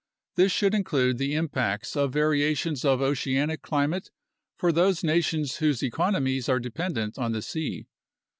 This should include the impacts of variations of oceanic climate for those nations whose economies are dependent on the sea.